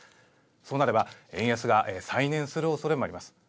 そうなれば円安が再燃するおそれもあります。